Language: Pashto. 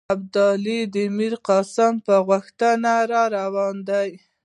ابدالي د میرقاسم په غوښتنه را روان دی.